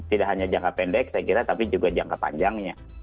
tidak hanya jangka pendek saya kira tapi juga jangka panjangnya